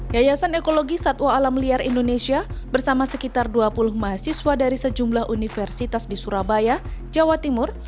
yayasan ekologi satwa alam liar indonesia bersama sekitar dua puluh mahasiswa dari sejumlah universitas di surabaya jawa timur